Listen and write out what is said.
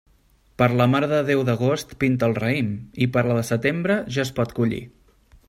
Per la Mare de Déu d'agost pinta el raïm i per la de setembre ja es pot collir.